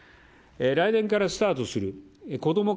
来年からスタートするこども